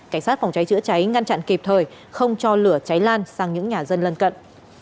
cảnh sát phòng cháy chữa cháy ngăn chặn kịp thời không cho lửa cháy lan sang những nhà dân lân cận